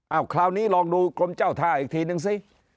เอาคราวนี้ลองดูกรมเจ้าท่าอีกทีนึงสิ